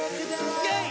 イェイ！